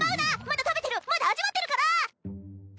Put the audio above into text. まだ食べてるまだ味わってるから！